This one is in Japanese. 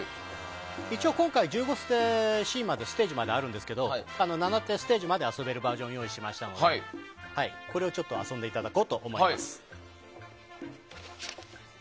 一応１５ステージまであるんですけど７ステージまで遊べるバージョンを用意しましたので遊んでいただこうと思います。